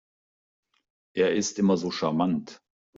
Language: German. Er ist immer so charmant.